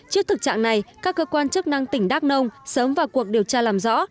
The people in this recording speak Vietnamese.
trước thực trạng này các cơ quan chức năng tỉnh đắk nông sớm vào cuộc điều tra làm rõ